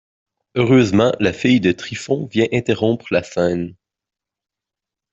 Heureusement, la fille de Trifon vient interrompre la scène.